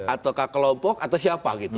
atau kelompok atau siapa